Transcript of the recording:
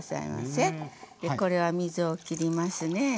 でこれは水をきりますね。